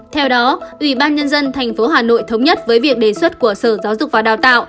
theo đó ủy ban nhân dân tp hà nội thống nhất với việc đề xuất của sở giáo dục và đào tạo